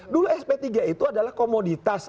dulu sp tiga itu adalah komoditas